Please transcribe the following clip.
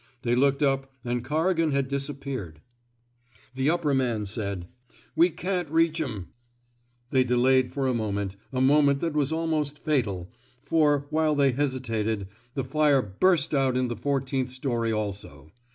They looked up, and Corrigan had disappeared. The upper man said: We can't reich They delayed for a moment — a moment that was almost fatal — for, while they hesi tated, the fire burst out in the fourteenth story also.